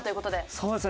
そうですね。